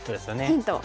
ヒント。